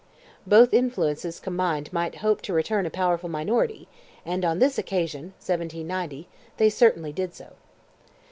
Both influences combined might hope to return a powerful minority, and, on this occasion (1790) they certainly did so.